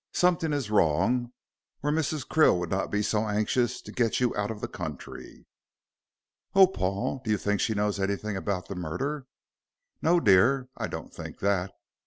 Something is wrong, or Mrs. Krill would not be so anxious to get you out of the country." "Oh, Paul, do you think she knows anything about the murder?" "No, dear. I don't think that. Mrs.